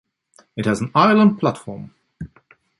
It has an island platform.